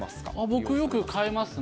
僕、よく買いますね。